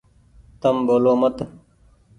تم ٻولو مت ۔